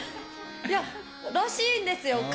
いや、らしいんですよ。